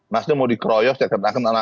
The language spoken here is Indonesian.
nasdem mau dikeroyok saya katakan